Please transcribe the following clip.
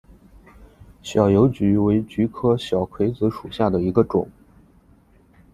小油菊为菊科小葵子属下的一个种。